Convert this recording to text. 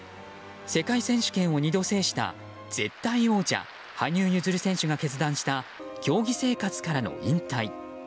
世界選手権を２度制した絶対王者・羽生結弦選手が決断した競技生活からの引退。